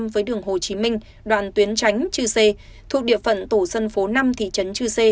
với đường hồ chí minh đoạn tuyến tránh chư sê thuộc địa phận tổ dân phố năm thị trấn chư sê